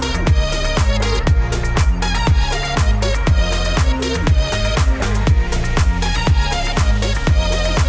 เดี๋ยวรถบนเปิดประตูหน่อยครับ